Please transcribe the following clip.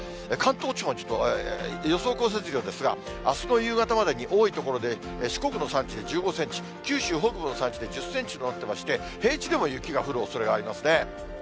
関東地方にちょっと、予想降雪量ですが、あすの夕方までに多い所で四国の山地で１５センチ、九州北部の山地で１０センチとなってまして、平地でも雪が降るおそれがありますね。